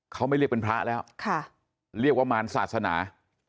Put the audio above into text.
เขาไม่เรียกเป็นพระแล้วเรียกว่ามารศาสนา